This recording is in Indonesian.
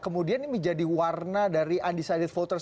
kemudian ini menjadi warna dari undecided voters